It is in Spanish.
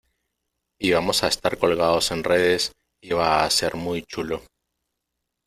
y vamos a estar colgados en redes, y va a ser muy chulo.